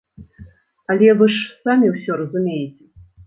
Але вы ж самі ўсё разумееце!